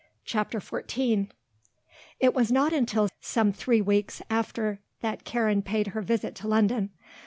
CHAPTER XIV It was not until some three weeks after that Karen paid her visit to London.